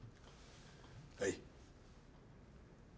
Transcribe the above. はい。